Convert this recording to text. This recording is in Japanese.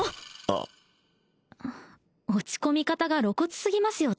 あ落ち込み方が露骨すぎますよ